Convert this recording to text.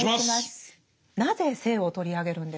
なぜ「性」を取り上げるんでしょうか？